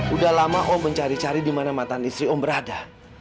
udah lama om mencari cari di mana mantan istri om berada